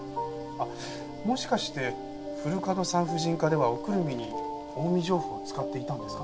あっもしかして古門産婦人科ではおくるみに近江上布を使っていたんですか？